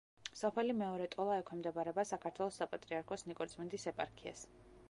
სოფელი მეორე ტოლა ექვემდებარება საქართველოს საპატრიარქოს ნიკორწმინდის ეპარქიას.